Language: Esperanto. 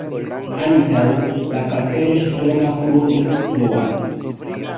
Antaŭ la kapelo ŝtona kruco situas.